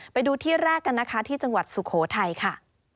ไปดูที่แรกกันนะคะที่จังหวัดสุโขทัยค่ะ